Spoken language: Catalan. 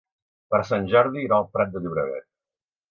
Per Sant Jordi irà al Prat de Llobregat.